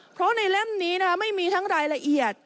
เพราะในเล่มนี้ไม่มีทั้งรายละเอียด